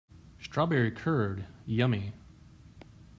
Strawberry curd, yummy!